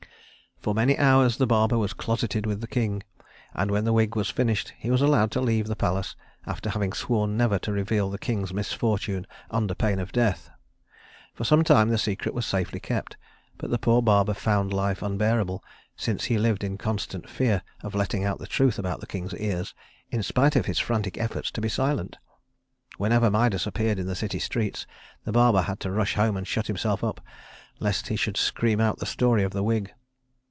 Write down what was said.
For many hours the barber was closeted with the king, and when the wig was finished, he was allowed to leave the palace, after having sworn never to reveal the king's misfortune under pain of death. For some time the secret was safely kept; but the poor barber found life unbearable, since he lived in constant fear of letting out the truth about the king's ears in spite of his frantic efforts to be silent. Whenever Midas appeared in the city streets, the barber had to rush home and shut himself up lest he should scream out the story of the wig.